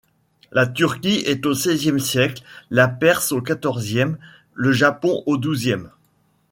La Turquie est au seizième siècle, la Perse au quatorzième, le Japon au douzième.